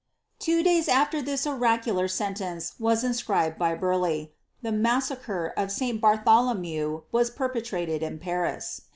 ^' Two days after this oracular sentence was inscribed by Burleigh, the massacre of St. Bartholomew was perpetrated in Paris.